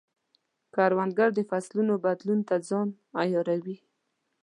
کروندګر د فصلونو بدلون ته ځان عیاروي